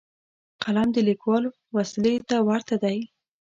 قلم د لیکوال وسلې ته ورته دی